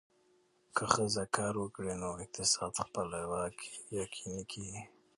که ښځه کار وکړي، نو اقتصادي خپلواکي یقیني کېږي.